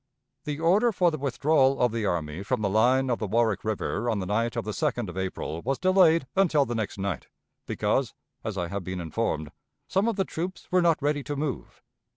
The order for the withdrawal of the army from the line of the Warwick River on the night of the 2d of April was delayed until the next night, because, as I have been informed, some of the troops were not ready to move.